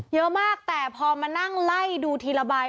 เยอะมากแต่พอมานั่งไล่ดูทีละใบ